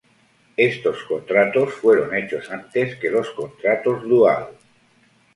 Estos contratos fueron hechos antes que los Contratos Dual.